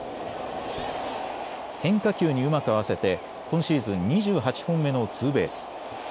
変化球にうまく合わせて今シーズン２８本目のツーベース。